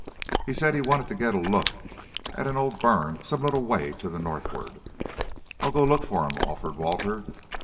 "He said he wanted to get a look at an old burn some little way to the northward." "I'll go look for him," offered Walter.